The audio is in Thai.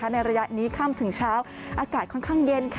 ในระยะนี้ค่ำถึงเช้าอากาศค่อนข้างเย็น